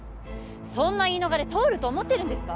そんな言い逃れ通ると思ってるんですか？